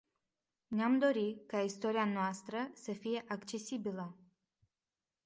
Ne-am dori ca istoria noastră să fie accesibilă.